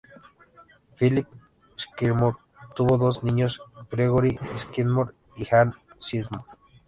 Philip Skidmore tuvo dos niños: Gregory Skidmore y Anne Skidmore.